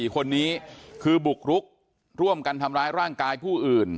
๔คนนี้คือบุกรุกร่วมกันทำร้ายร่างกายผู้อื่น